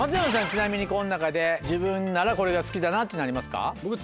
ちなみにこの中で自分ならこれが好きだなっていうのありますか？